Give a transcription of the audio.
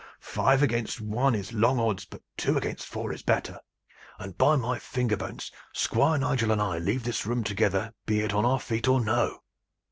Five against one is long odds; but two against four is better, and by my finger bones! Squire Nigel and I leave this room together, be it on our feet or no."